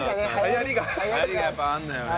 流行りがやっぱあるんだよね。